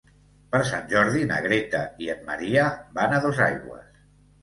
Per Sant Jordi na Greta i en Maria van a Dosaigües.